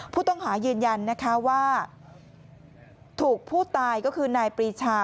ผู้ต้องหายืนยันนะคะว่าถูกผู้ตายก็คือนายปรีชา